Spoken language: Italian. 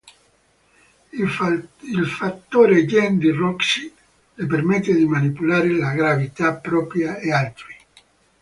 Il fattore Gen di Roxy le permette di manipolare la gravità propria e altrui.